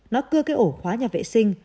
nó cưa cái ổ khóa nhà vệ sinh